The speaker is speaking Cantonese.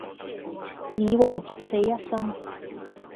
耳王十四一心